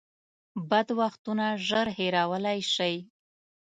بد وختونه ژر هېرولی شئ .